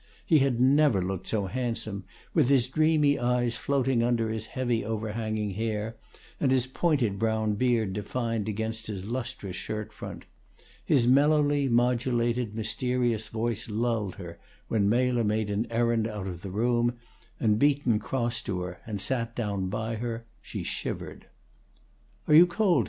He had never looked so handsome, with his dreamy eyes floating under his heavy overhanging hair, and his pointed brown beard defined against his lustrous shirtfront. His mellowly modulated, mysterious voice lulled her; when Mela made an errand out of the room, and Beaton crossed to her and sat down by her, she shivered. "Are you cold?"